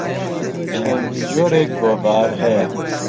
چەند جۆرێک گۆڤار هەیە.